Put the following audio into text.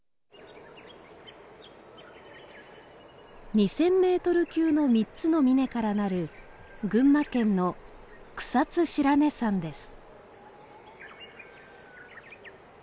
２，０００メートル級の３つの峰からなる群馬県の草津白根山です。